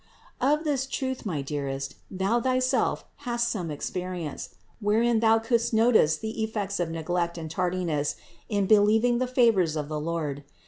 584. Of this truth, my dearest, thou thyself hast some experience, wherein thou couldst notice the effects of neglect and tardiness in believing the favors of the Lord.